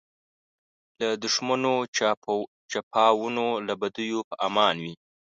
له دښمنو چپاوونو له بدیو په امان وي.